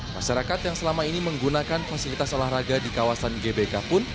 masyarakat yang selama ini menggunakan fasilitas olahraga di kawasan gbk pun